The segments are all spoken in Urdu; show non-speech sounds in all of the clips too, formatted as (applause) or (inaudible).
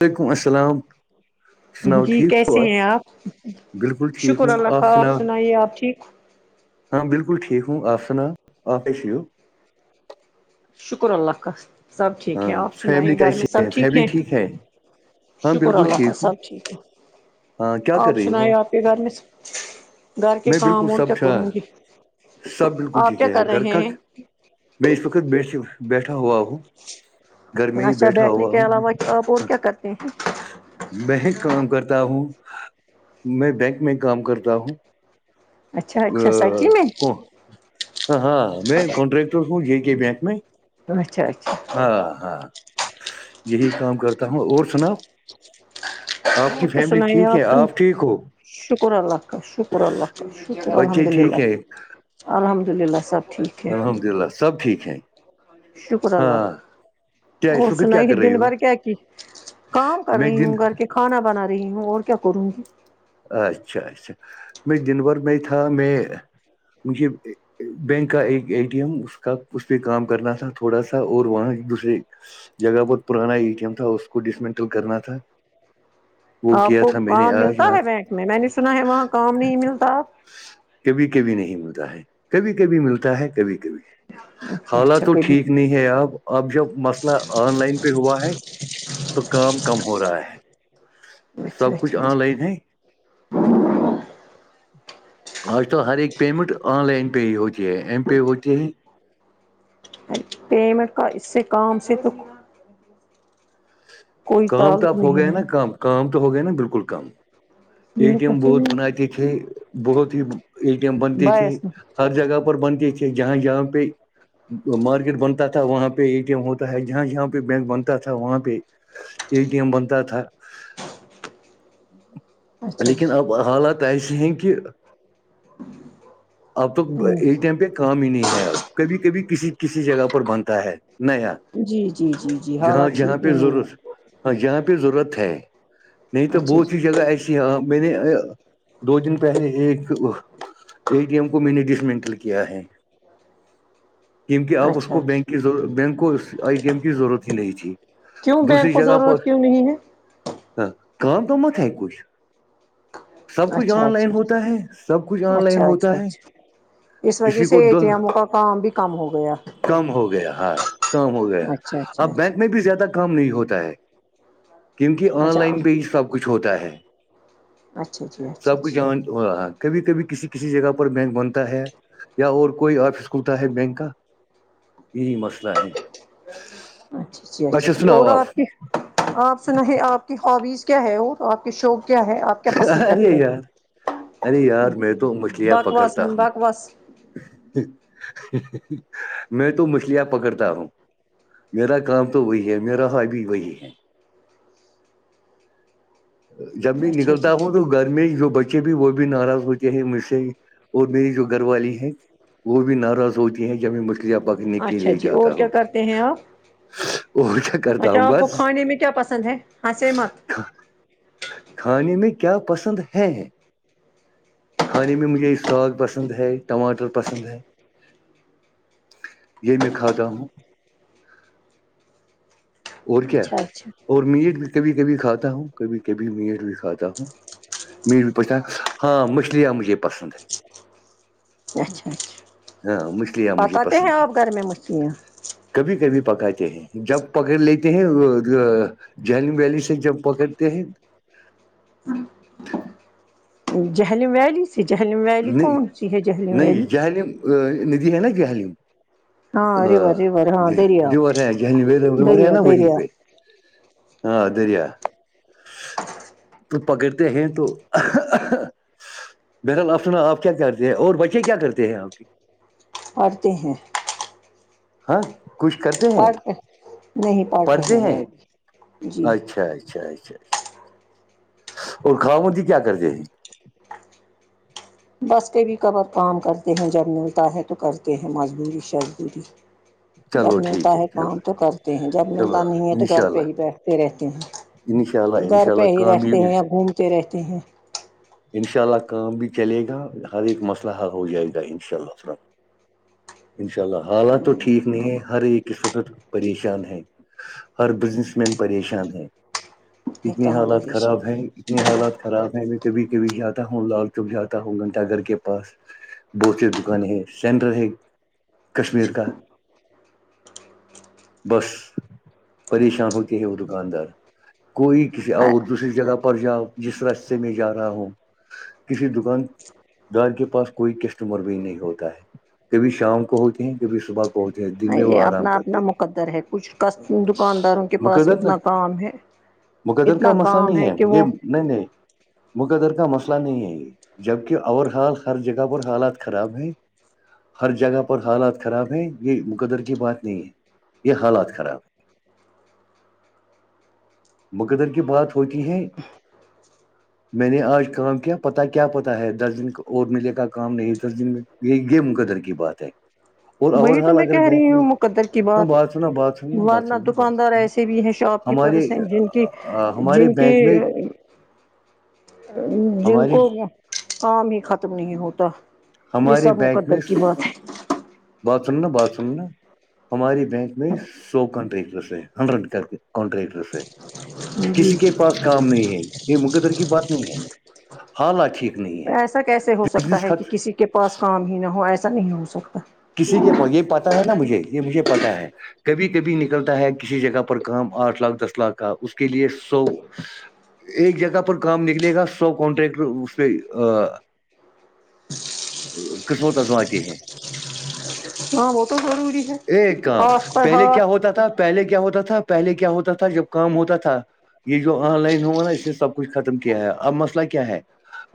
وعلیکم السلام سناؤ جی ٹھیک ہو کیسے ہیں آپ بالکل ٹھیک شکر ہوں اللہ خا آپ سناؤ سنائیے آپ ٹھیک ہاں بالکل ٹھیک ہوں آپ سنا آفش ہو شکر اللہ کا سب ھیک ہاں ہے پ فیملی سنایے گھر میں کیسی سب ہے ھیک فیملی ہیں ٹھیک ہے ہاں شکر بالکل اللہ حاال ٹھیک ہوں سب ٹھیک ہے ہاں کیا کر آپ رہی ہو سنئے آپ کے گھر میں گھر کے میں کام بالکل اور کیا سب تھا کروں گی سب بالکل آپ ٹھیک کیا ہے کر گھر رہے کا ہیں میں اس وقت بیٹھ بیٹھا ہوا ہوں گھر میں ہی اچھا بیٹھا بیٹھنے ہوا کے ہوں علاوہ آپ اور کیا کرتے ہیں میں کام کرتا ہوں میں بینک میں کام کرتا ہوں اچھا ا اچھا سچی میں کون ہ ہاں میں کنٹریکٹر ہوں ج کے بینک میں (unintelligible) اچھا اچھا ہاں ہاں یہی کام کرتا ہوں اور سناؤ آپ کی اور کیا فیملی سنائیے ٹھیک ہے سن آپ ٹھیک ہو شکر اللہ کا شکر اللہ کا شک بچے الحمد ٹھیک للہ ہیں (unintelligible) الحمد للہ سب ٹھیک ہے الحمد للہ سب ٹھیک ہیں شکر اللہ ح ہاں (unintelligible) کیا اور اس وقت کیا سناائی کر رہی دن ہو بار کیا کی کام کر میں رہی دن ہوں کر کے (unintelligible) کھانا بنا رہی ہوں اور کیا کروں گی اچھا اچھا میں دن بھر میں ہی تھا میں مجھے بینک کا ایک اے ٹی ایم اس کا اس پہ کام کرنا تھا تھوڑا سا اور وہاں ایک دوسرے جگہ بہت پرانا ای ٹی ایم تھا اس کو ڈسمٹل کرنا تھا وہ آپ کیا کو تھا میں نے کام آج ملتا یہاں ہے بینک میں میں نے سنا ہے وہاں کام نہیں ملتا کبھی کبھی نہیں ملتا ہے کبھی کبھی ملتا ہے کبھی کبھی اچھا حالات اچھا تو کبھی ٹھیک نہیں ہے اب اب جب مسئلہ آن لائن پہ ہوا ہے تو کام کم ہو رہا ہے سب اچھا کچھ اچھا آن لائن اچھا ہے آج تو ہر ایک پیمنٹ آن لائن پہ ہی ہوتی ہے ایم پے ہوتی ہے پیمنٹ کا اس سے کام سے تو کوئی کام تو تعلق آپ ہو نہیں گئے ہے نا کام کام تو ہو گئے نا بالکل کام (unintelligible) ا ٹی ایم بہت بناتے تھے بہت ہی ا ٹی ایم بنتے تھے بس ہر جگہ پر بنتی تھے جہاں جہاں پہ مارکیٹ بنتا تھا وہاں پہ اے ٹی ایم ہوتا ہے جہاں جہاں پہ بینک بنتا تھا وہاں پہ ا ٹی ایم بنتا تھا (unintelligible) لیکن اب حالات ایسے ہیں کہ ج (unintelligible) اب تو ا ٹی ایم پہ کام ہی نہیں ہے اب کبھی کبھی کسی کسی جگہ پر بنتا ہے نیا جی جی جی جی جہاں حالات جہاں ٹھیک پہ نہیں ہے ضرورت ہاں جہاں پہ ضرورت ہے نہیں تو اچھا جی بہت ہیی جگہ ایسی جی ہاں میں نے دو دن پہلے ایک ا ٹی ایم کو میں نے ڈسمنٹل کیا ہے (unintelligible) کیونکہ آپ اس اچھا کو اچھا بینک کی بینک کو آئی ٹی ایم کی ضرورت ہی نہیں تھی کیوں بینک کو ضرورت کیوں نہیں ہے ہ کا تو ما ک کچھ (unintelligible) سب کچھ اچھا آن لائن اچھا ہوتا ہے سب کچھ آن لائن اچھا ہوتا اچھا ہے اس وجہ کسی سے کو دو اتیام کا کام بھی کم ہو گیا (unintelligible) کم ہو گیا ہاں کم ہو گیا اچھا اچھا اب اچھا بینک میں بھی زیادہ کام نہیں ہوتا ہے کیونکہ آن اچھا لائن پہ ہی سب کچھ ہوتا ہے اچھا جی اچھا سب کچھ جی ہو رہا کبھی کبھی کسی کسی جگہ پر (unintelligible) بینک بنتا ہے یا اور کوئی آفس ہوتا ہے بینک کا یہی مسئلہ ہیں اچھا اچھا اچھا اچا اور آپ کے (unintelligible) آپ سن ہے آپ کی ہابیز کیا ہے وہ آپ کے شوق کیا ہے آپ کیا پسند ارے کرتے ہیں یار ارے یار میں تو مچھلیاں بکواس پکڑتا ہوں بکواس میں تو مچھلیاں پکڑتا ہوں میرا کام تو وہی ہے میرا ہابی وہی ہے جمی اچھا نکلتا جی ہو تو (unintelligible) گھر میں جو بچے بھی وہ بھی ناراض ہوتے ہیں مجھ سے اور میری جو گھر والی ہے وہ بھی ناراض ہوتی ہیں کہب م (unintelligible) اچھا جی اور کیا کرتے ہیں آپ اور کیا کرتا اچھا ہوں آپ کو بس کھانے میں کیا پسند ہے ہس مت کھانے میں کیا پسند ہیں کھانے میں مجھے ساگ پسند ہے ٹماٹر پسند ہے یہیمی کھاتا ہوں اور کیا اچھا اچھا اور میٹ بھی کبھی کبھی کھاتا ہوں کبھی کبھی میٹ بھی کھاتا ہوں می بھی پوچھتا ہاں مچھیاں مجھے پسند ہے اچھا اچھا ہاں مچھلیاں مجھے پکاتے ہیں پسند ہے آپ گرمی مہ چ کبھی کبھی پکاتے ہیں جب پکڑ لیتے ہیں جن ویلی سے جب پکڑتے ہیں جہلمم ویلی سی جہلمم ویلی کون سی ہے جہلمم ویلی ندھی ہے نا گ حالیم ہاں ریور ریور ہاں دریا ر ہیں ہیں دریا نا وہیں دریا پہ ہاں درییا تو پکڑتے ہیں تو بہرال آفنا آپ کیا کرتے ہیں اور بچے کیا کرتے ہیں آپ کی پڑھتے ہیں ہاں کچھ کرتے ہیں پڑھتے نہیں پڑھ پڑھتے رہے ہیں جی اچھا اچھا اچھا اچھا اور کھاؤ م جی کیا کرتےے بس کبھی کبھار کام کرتے ہیں جب ملتا ہے تو کرتے ہیں مجدوری شزبوری جب چلو ملتا ٹھیک ہے چلو کام تو کرتے ہیں جب چلو ملتا نہیں ہے تو انشاء گھر پہ ہی اللہ بیٹھتے رہتے انشاء اللہ ہیں گھر انشاء پہ اللہ ہی کام بھی رہتے ہیں یا گھومتے رہتے ہیں انشاء اللہ کام بھی چلے گا ہر ایک مسئلہ ح ہو جائے گا ان شاء اللہ الل ان شاء اللہ حالات تو ٹھیک نہیں ہے ہر ایک اس وقت پریشان ہے ہر بزنس مین پریشان ہیں یہ اتنی کہاں حالات خراب پریشان ہیں اتنے حالات خراب ہے میں کبھی کبھی جاتا ہوں لالٹوک جاتا ہوں گھنٹہ گھر کے پاس بہت سی دکانیں ہیں سینٹر ہے کشمیر کا بس پریشان ہوتے ہے وہ دکاندار کوئی کسی اور دوسری جگہ پر جاؤ جس راستے میں جا رہا ہوں کسی دکان گان کے پاس کوئی کسٹمر بھی نہیں ہوتا ہے کبھی شام کو ہوتے ہیں کبھی صبح کو ا جے جی یہ اپنا اپنا قدر ہے کچھ ک دکانداروں کے پاس اتنا کام ہے گدر کا اتنا مسلہ کام نہیں ہے کہ یہ وہ نہیں نہیں مقدر کا مسئلہ نہیں ہے یہ جبکہ اور ہال ہر جگہ پر حالات خراب ہے ہر جگہ پر حالات خراب ہیں یہ مقدر کی بات نہیں ہے یہ حالات خراب ہے مقدر کی بات ہوتی ہے (unintelligible) میں نے آج کام کیا پتا کیا پتا ہے دس دن اور ملے کا کام نہیں دس دن میں یہ گیمقدر کی بات ہے اور (unintelligible) اوور وہی تو آل میں اگر کہہ بینک رہی ہوں میں مقدر کی نہ بات سننا بات ورنہ دکاندار ایسے بھی ہیں شاپ ہماریے کہ جن کی جن ہمارے کو کام ہی ختم نہیں ہوتا یہ ہمارے سب مقدر کی بات بچوں نا بچن نا ہمارے بینک میں سو کانٹریکٹرس ہیں ہنڈریڈ کانٹریکٹرس ہے ہے جی کسی کے پاس کام نہیں ہے یہ مقدر کی بات نہیں ہے حالات ٹھیک نہیں ہے ایسا کیسے ہو سکتا بزنس ہے کہ خط کسی کے پاس کام ہی نہ ہو ایسا نہیں ہو سکتا کسی کے یہ پتا ہے نا مجھے یہ مجھے پتا ہے کبھی کبھی نکلتا ہے کسی جگہ پر کام آٹھ لاکھ دس لاکھ کا اس کے لیے سو ایک جگہ پر کام نکلے گا سو کنٹریکٹر اس پہ قسمت ازماتی ہیں ہاں وہ تو زروری ہے ایک کام ہاتھ پر پہلے کیا ہاتھ ہوتا تھا پہلے کیا ہوتا تھا پہلے کیا ہوتا تھا جب کام ہوتا تھا یہ جو آن لائن ہوا نا اسے سب کچھ ختم کیا ہے اب مسئلہ کیا ہے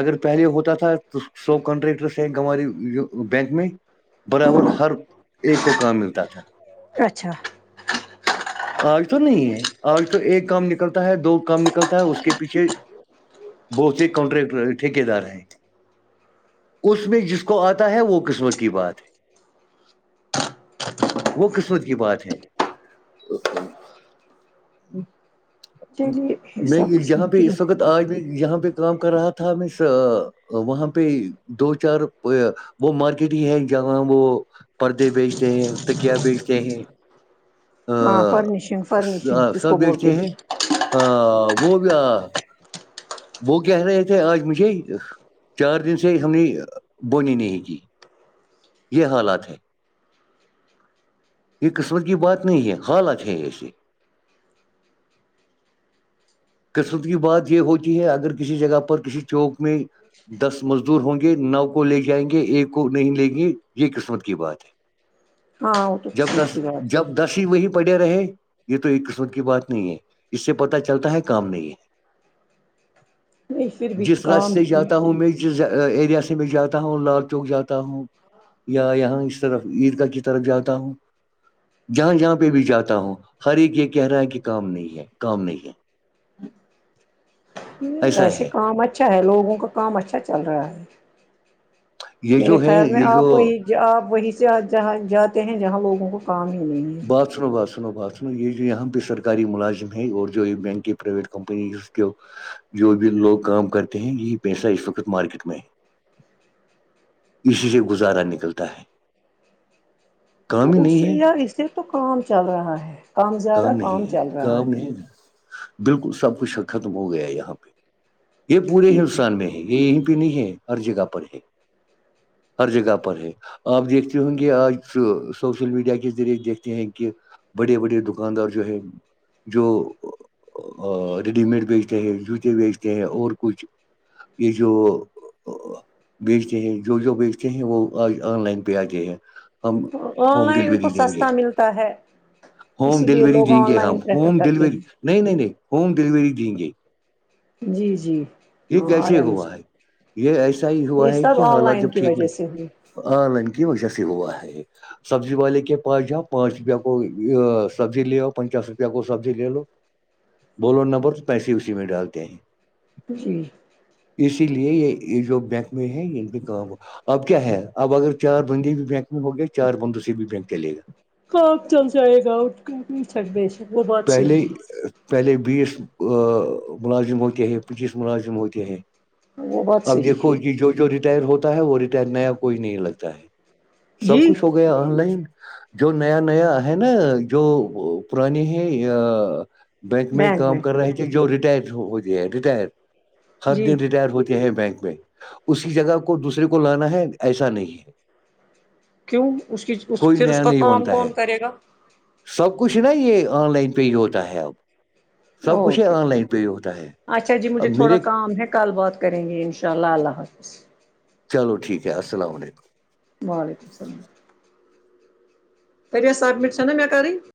اگر پہلے ہوتا تھا تو سو کانٹریکٹرس ہیں ہم ہمارے بینک میں برابر ہر ایک کو کام ملتا تھا ہ (inaudible) آج تو نہیں ہے آج تو ایک کام نکلتا ہے دو کام نکلتا ہے اس کے پیچھے بہت سے کانٹریکٹر ٹھیکے دار ہیں اس میں جس کو آتا ہے وہ قسمت کی بات ہے وہ قسمت کی بات ہے چلیے یہ میں سب قسم جہاں پہ کی اس بات وقت تو آج میں یہہاں پہ کام کر رہا تھا میں وہاں پہ دو چار وہ مارکیٹ ہی ہے جہاں وہ پردے بیچتے ہیں تکیا بیچتے ہیں ہاں فرنیشنگ فرنیش سب دیکھتے ہیں وہ بھی وہ کہہ رہے تھے آج مجھے چار دن سے ہم نے بونی نہیں کی یہ حالات ہے یہ قسمت کی بات نہیں ہے حالت ہے ایسے قسمت کی بات یہ ہو ہے اگر کسی جگہ پر کسی چوک میں دس مزدور ہوں گے نو کو لے جائیں گے ایک کو نہیں لیں گے یہ قسمت کی بات ہے فچ (inaudible) ج جب ٹس دس ہی وہی پڑے رہے یہ تو ایک قسمت کی بات نہیں ہے اس سے پتا چلتا ہے کام نہیں ہے ہے۔ نہیں پھر بھی جس راستے کام سے ٹھیک، جاتا ہوں میں جس ایریا سے میں جاتا ہوں لال چوک جاتا ہوں یا یہاں اس طرف عیدگاہ کی طرف جاتا ہوں جہاں جہاں پہ بھی جاتا ہوں ہر ایک یہ کہہ رہا ہے کہ کام نہیں ہے کام نہیں ہے ایسا ویسے ہے کام اچھا ہے لوگوں کا کام اچھا چل رہا ہے یہ میرے جو ہے خیال میں یہ جو آپ وہیں ج آپ وہیں سے آ جہاں جاتے ہیں جہاں لوگوں کو کام ہی نہیں ہے بات سنو بات سنو بات سنو یہ جو یہاں پہ سرکاری ملازم ہے اور جو یہ بینک کی پرائیویٹ کمپنی جو بھی لوگ کام کرتے ہیں یہی پیسہ اس وقت مارکیٹ میں ہے اسی سے گزارا نکلتا ہے تو کام ہی اس نہیں سے ہے یا اسے تو کام چل رہا ہے کام زیادہ کام نہیں ہے چل رہا کام ہے نہیں بالکل سب کچھ ختم ہو گیا ہے یہاں پہ یہ پورے ہندوستان میں ہی یہ یہیں بھیہ نہیں ہے ہر جگہ پر ہے ہر جگہ پر ہے آپ دیکھتے ہوں گے آج سوشل میڈیا کے ذریع دیکھتے ہیں کہ بڑے بڑے د دکاندار جو ہے جو ریڈی میڈ بیچتے ہیں جوتے بیچتے ہیں اور کچھ یہ جو بیچتے ہیں جو جو بیچتے ہیں وہ آج آن لائن پہ آگے ہیں ہم آن ہوم لائن ان ڈیلیوری کو دیں گے سستا ملتا ہے ہوم اسی لیے ڈلیوری لوگ دیں آن گے ہم لائن پریفر ہوم کرتے ڈلیوری نہیں نہیں نہیں ہوم ڈلیوری دیں گے جی جی یہ ہاں کیسے آیا مجھے ہوا ہے یہ ایسا ہی یہ ہوا ہے سب کہ آن حالات جب لائن کی ٹھیک وجہ نہیں سے ہوئی آن لائن کی وجہ سے ہوا ہے سبزی والے کے پاس جاؤ پانچ روپے کو سبزی لےؤ پنچاس روپے کو سبزی لے لو بولو نمبر تو پیسے اسی میں ڈالتے ہیں جی اسی لیے یہ جو بینک میں ہے یہ بھی کام ہو اب کیا ہے اب اگر چار بندے بھی بینک میں ہو گئے چار بندو سے بھی بینک چلے گا ہ چل جائے گا اٹ کرک بیک وہ بات صحیح پہلے ہے (unintelligible) پہلے بیس ملازم ہوتے ہیں پچیس ملازم ہوتے ہیں ہے وہ بات اب صحیح دیکھو ہے کہ جو جو ریٹائر ہوتا ہے وہ ریٹائر نیا کوئی نہیں لگتا ہے جی سب کچھ ہو گیا آن لائن جو نیا نیا ہے نا جو پرانے ہیں بینک میں کام کر رہے تھے جو ریٹائر ہوتے ہیں ریٹر ہر جی دن ریٹائر ہوتے ہیں بینک میں اسی جگہ کو دوسرے کو لانا ہے ایسا نہیں ہے کیوں اس کی کوئی پھر اس نیا کا نہیں کام بنتا ہے کون کرے گا سب کچھ نا یہ آن لائن پے ہی ہوتا ہے اب سب کچھ یہ اوکے آن لائن پہ ہوتا ہے اب میرے کال بات کریں گے ان شاء اللہ اللہ حافظ چلو ٹھیک ہے السلام علیکم وعلیکم السلام کرری سبمٹھا م میں کرنی (unintelligible)